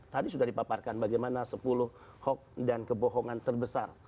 tadi sudah dipaparkan bagaimana sepuluh hoax dan kebohongan terbesar